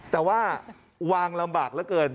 แต่ว่าวางลำบากเหลือเกิน